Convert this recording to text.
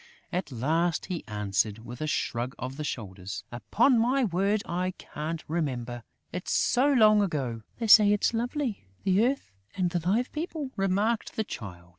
At last, he answered, with a shrug of the shoulders: "Upon my word, I can't remember! It's so long ago!" "They say it's lovely, the earth and the Live People!" remarked the Child.